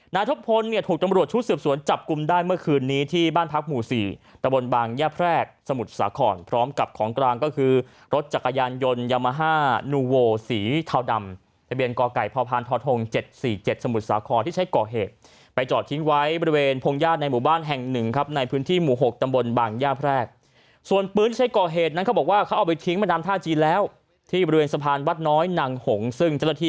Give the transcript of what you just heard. นาทบพลถูกตำรวจชุดเสืบสวนจับกลุ่มได้เมื่อคืนนี้ที่บ้านพักหมู่๔ตะบนบางย่าแพรกสมุทรสาครพร้อมกับของกลางก็คือรถจักรยานยนต์ยามาฮานูโวสีเทาดำระเบียนกไก่พพธ๗๔๗สมุทรสาครที่ใช้ก่อเหตุไปจอดทิ้งไว้บริเวณโพงญาติในหมู่บ้านแห่ง๑ในพื้นที่หมู่๖ตะบนบาง